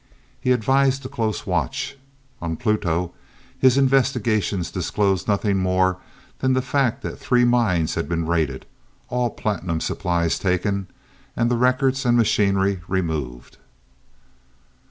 He advised a close watch. On Pluto, his investigations disclosed nothing more than the fact that three mines had been raided, all platinum supplies taken, and the records and machinery removed.